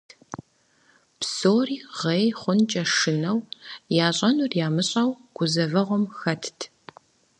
Псори гъей хъункӏэ шынэу, ящӏэнур ямыщӏэу гузэвэгъуэм хэтт.